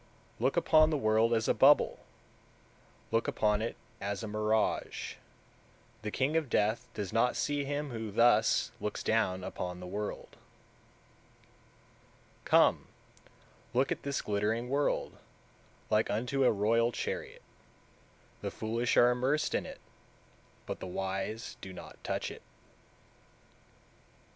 Look upon the world as a bubble, look upon it as a mirage: the king of death does not see him who thus looks down upon the world. 171. Come, look at this glittering world, like unto a royal chariot; the foolish are immersed in it, but the wise do not touch it.